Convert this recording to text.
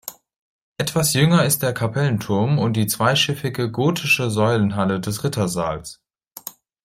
Etwas jünger ist der Kapellenturm und die zweischiffige gotische Säulenhalle des Rittersaals.